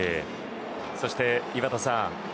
そして、井端さん